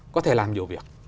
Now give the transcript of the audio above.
có thể làm nhiều việc